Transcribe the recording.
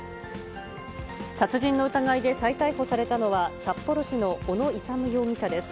殺人の疑いで再逮捕されたのは、札幌市の小野勇容疑者です。